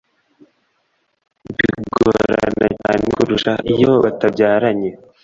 bigorana cyane kurusha, iyo batabyaranye,